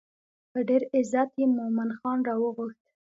په ډېر عزت یې مومن خان راوغوښت.